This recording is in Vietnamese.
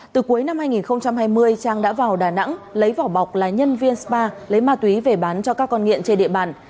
từ cuối năm hai nghìn hai mươi trang đã vào đà nẵng lấy vỏ bọc là nhân viên spa lấy ma túy về bán cho các con nghiện trên địa bàn